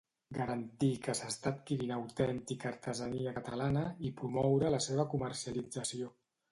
Garantir que s'està adquirint autèntica artesania catalana i promoure la seva comercialització.